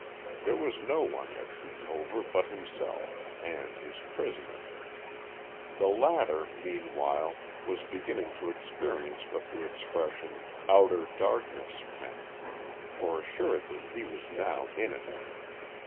There was no one at Heath Hover but himself and his prisoner. The latter, meanwhile, was beginning to experience what the expression "outer darkness" meant, for assuredly he was now in it.